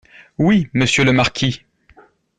Oui, monsieur le marquis.